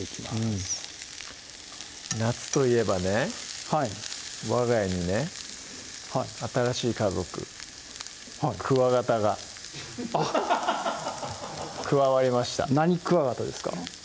うん夏といえばねはいわが家にね新しい家族クワガタが加わりました何クワガタですか？